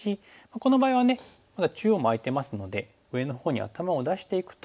この場合はまだ中央も空いてますので上のほうに頭を出していくと。